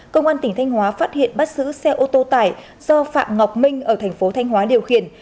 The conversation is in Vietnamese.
công an tỉnh thanh hóa phát hiện bắt giữ xe ô tô tải do phạm ngọc minh ở thành phố thanh hóa điều khiển